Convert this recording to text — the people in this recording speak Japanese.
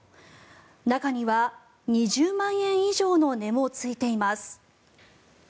中には２０万円以上の値もついています。